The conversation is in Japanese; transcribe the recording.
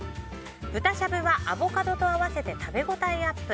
豚しゃぶはアボカドと合わせて食べ応えアップ。